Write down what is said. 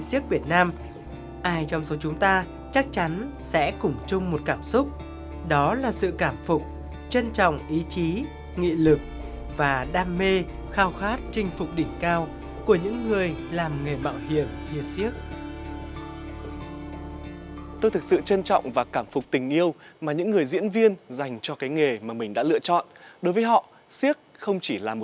xin phép được khép lại cảm ơn sự quan tâm